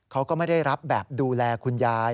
เขาก็ไม่ได้รับแบบดูแลคุณยาย